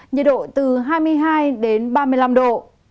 nhiệt độ từ hai mươi hai đến ba mươi năm độ